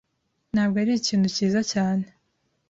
Ntabwo arikintu cyiza cyane.